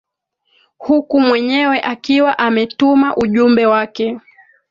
huku mwenyewe akiwa ametuma ujumbe wake